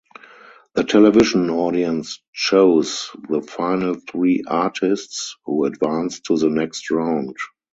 The television audience choose the final three artists who advanced to the next round.